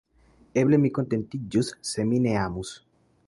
Eble mi kontentiĝus se mi ne amus.